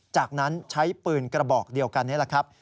จากนั้นใช้ปืนกระบอกเดียวกันนี่แหละครับ